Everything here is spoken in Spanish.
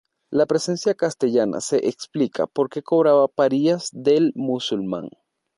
La presencia castellana se explica porque cobraba parias del musulmán.